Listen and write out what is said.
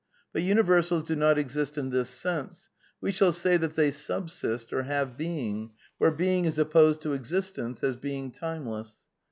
But universals do not exist in this sense; we shall say that they subsist or have being, where being is opposed to ' existence ' as being timeless.